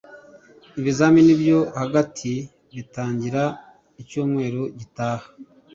Ibizamini byo hagati bitangira icyumweru gitaha